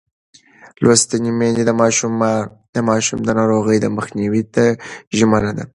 لوستې میندې د ماشوم د ناروغۍ مخنیوي ته ژمنه ده.